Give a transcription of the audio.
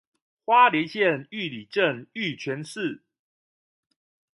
花蓮縣玉里鎮玉泉寺